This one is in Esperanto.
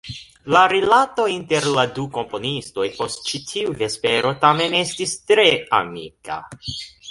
La rilato inter la du komponistoj post ĉi tiu vespero tamen estis tre amika.